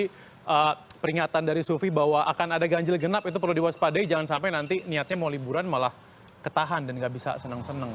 tapi peringatan dari sufi bahwa akan ada ganjil genap itu perlu diwaspadai jangan sampai nanti niatnya mau liburan malah ketahan dan nggak bisa senang senang